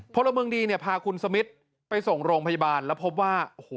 พลเมืองดีเนี่ยพาคุณสมิทไปส่งโรงพยาบาลแล้วพบว่าโอ้โห